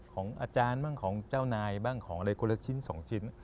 ของอาจารย์บ้างของเจ้านายบ้างของอะไรคนละชิ้น๒ชิ้น